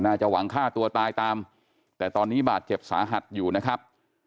จะหวังฆ่าตัวตายตามแต่ตอนนี้บาดเจ็บสาหัสอยู่นะครับ